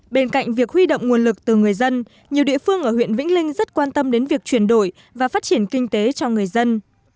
bên cạnh việc huy động nguồn lực từ người dân nhiều địa phương ở huyện vĩnh linh rất quan tâm đến việc chuyển đổi và phát triển kinh tế cho người dân